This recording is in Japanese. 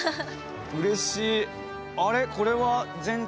うれしい。